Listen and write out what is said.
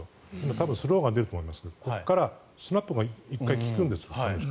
多分、スローが出ると思いますがここからスナップが１回利くんですよ。